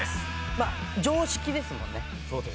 まあ常識ですもんね。